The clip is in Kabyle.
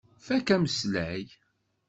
Fakk ameslay.